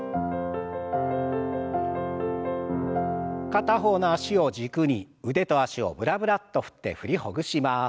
片方の脚を軸に腕と脚をブラブラッと振って振りほぐします。